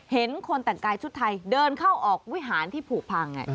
เห็นคนแต่งกายชุดไทยเดินเข้าออกวิหารที่ผูกพัง